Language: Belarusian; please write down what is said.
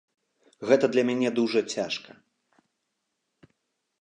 Гэта для мяне дужа цяжка.